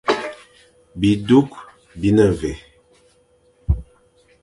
Bi duk bi ne vé ?